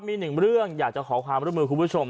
มีหนึ่งเรื่องทรงความร่วมรู้มือของคุณผู้ชม